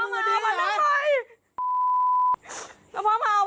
ออกจากบ้านพ่อดีไม่ใช่บ้านพ่อ